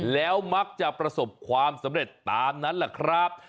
แล้วมักจะประสบความสำเร็จตามนั้นแหละครับ